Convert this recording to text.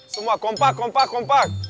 semua kompak kompak kompak